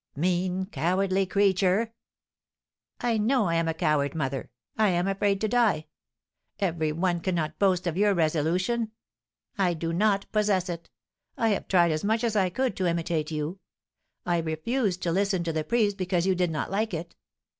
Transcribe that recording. "Mean, cowardly creature!" "I know I am a coward, mother. I am afraid to die! Every one cannot boast of your resolution. I do not possess it. I have tried as much as I could to imitate you. I refused to listen to the priest because you did not like it.